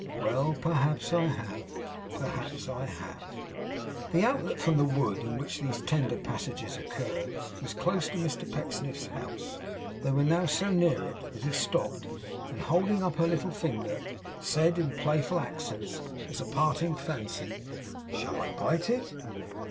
Well! Perhaps I have. Perhaps I have.' The outlet from the wood in which these tender passages occurred, was close to Mr Pecksniff's house. They were now so near it that he stopped, and holding up her little finger, said in playful accents, as a parting fancy: 'Shall I bite it?